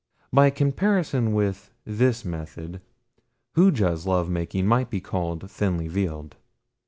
By comparison with this method Hooja's lovemaking might be called thinly veiled.